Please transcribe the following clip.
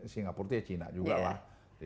singapura itu ya china juga lah